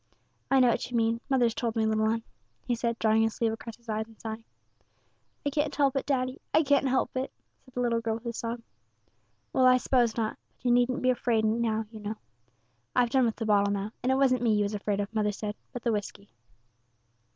"I know what you mean; mother's told me, little 'un," he said, drawing his sleeve across his eyes, and sighing. "I can't help it, daddy, I can't help it," said the little girl, with a sob. "Well, I s'pose not; but you needn't be afraid now, you know. I've done with the bottle now; and it wasn't me you was afraid of, mother said, but the whisky."